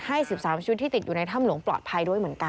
๑๓ชีวิตที่ติดอยู่ในถ้ำหลวงปลอดภัยด้วยเหมือนกัน